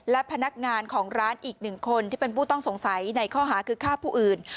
และพนักงานของร้านอีกหนึ่งคนที่เป็นผู้ต้องสงสัยในข้อหาคือฆ่าผู้อื่น